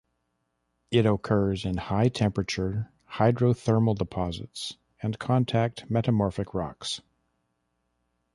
It occurs in high temperature hydrothermal deposits and contact metamorphic rocks.